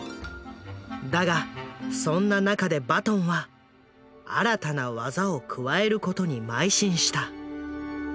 だがそんな中でバトンは新たな技を加えることに邁進した。